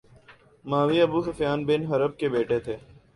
معاویہ ابوسفیان بن حرب کے بیٹے تھے